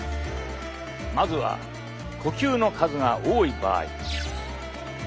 まずは呼吸の数が多い場合。